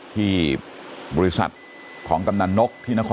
ที่บริษัทของกำหนังนอกแค่นี้นะครับ